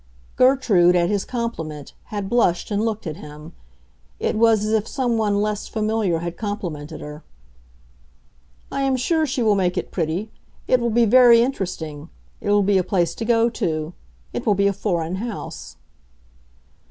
Gertrude, at his compliment, had blushed and looked at him: it was as if someone less familiar had complimented her. "I am sure she will make it pretty. It will be very interesting. It will be a place to go to. It will be a foreign house."